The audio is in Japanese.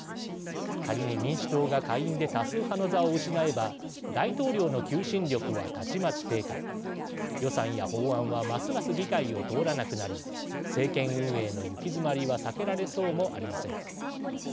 仮に民主党が下院で多数派の座を失えば大統領の求心力はたちまち低下予算や法案はますます議会を通らなくなり政権運営の行き詰まりは避けられそうもありません。